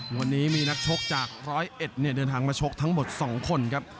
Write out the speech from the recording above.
วันนี้มีนักชกจาก๑๐๑เดินทางมาชกทั้งหมด๒คนครับ